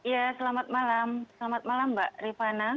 ya selamat malam selamat malam mbak rifana